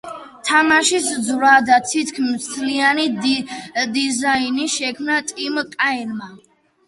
თამაშის ძრავა და თითქმის მთლიანი დიზაინი შექმნა ტიმ კაენმა.